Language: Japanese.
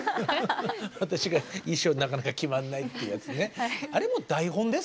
私が衣装なかなか決まらないっていうやつね。